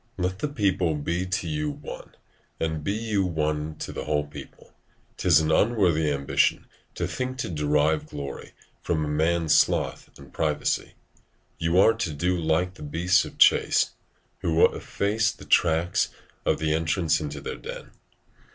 Let the people be to you one, and be you one to the whole people. 'Tis an unworthy ambition to think to derive glory from a man's sloth and privacy: you are to do like the beasts of chase, who efface the track at the entrance into their den.